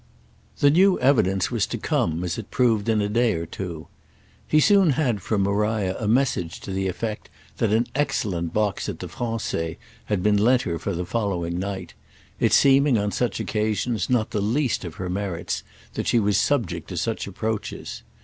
The new evidence was to come, as it proved, in a day or two. He soon had from Maria a message to the effect that an excellent box at the Français had been lent her for the following night; it seeming on such occasions not the least of her merits that she was subject to such approaches.